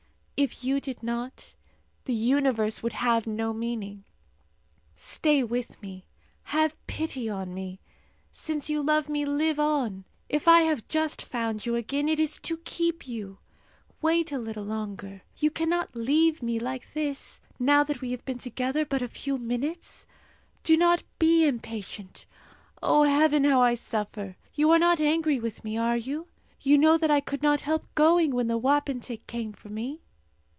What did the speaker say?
if you did not, the universe would have no meaning. Stay with me! Have pity on me! Since you love me, live on! If I have just found you again, it is to keep you. Wait a little longer; you cannot leave me like this, now that we have been together but a few minutes! Do not be impatient! O Heaven, how I suffer! You are not angry with me, are you? You know that I could not help going when the wapentake came for me.